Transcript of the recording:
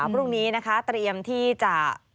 พรุ่งนี้เตรียมที่จะ